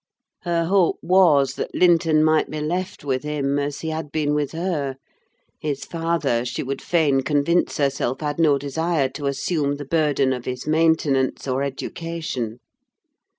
Her hope was that Linton might be left with him, as he had been with her: his father, she would fain convince herself, had no desire to assume the burden of his maintenance or education.